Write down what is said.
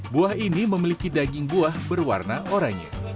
buah ini memiliki daging buah berwarna oranye